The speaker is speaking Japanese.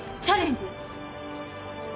チャレンジ？